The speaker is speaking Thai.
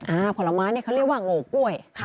ผลไม้เนี่ยเขาเรียกว่าโง่กล้วย